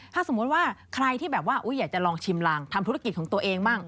ถ้าสมมุติว่าใครที่แบบว่าอยากจะลองชิมลางทำธุรกิจของตัวเองบ้าง